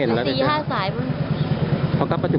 โปรดติดตามต่อไป